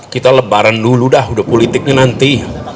kita lebaran dulu dah udah politiknya nanti